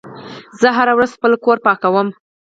زه هره ورځ خپل کور پاکوم.